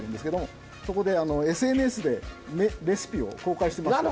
そこでＳＮＳでレシピを公開してまして。